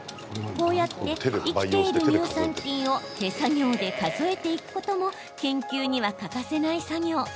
こうやって生きている乳酸菌を手作業で数えていくことも研究には欠かせない作業。